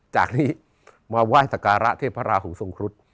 จากนี้มาไหว้สการะเทพราหูทรงครุฑ